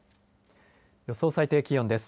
予想最低気温です。